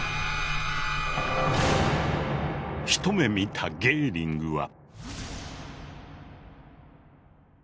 一目見たゲーリングは。